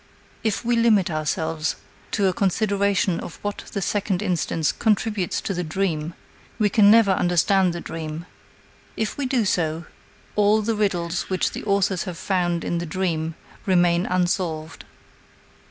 If we limit ourselves to a consideration of what the second instance contributes to the dream, we can never understand the dream. If we do so, all the riddles which the authors have found in the dream remain unsolved.